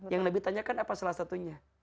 yang nabi tanyakan apa salah satunya